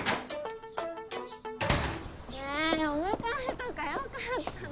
えお迎えとかよかったのに。